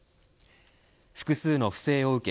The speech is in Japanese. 複数の不正を受け